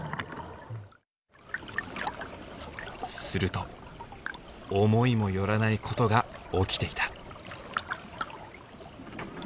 すると思いも寄らないことが起きていた。